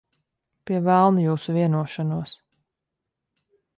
Pie velna jūsu vienošanos.